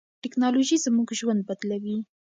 ټیکنالوژي زموږ ژوند بدلوي.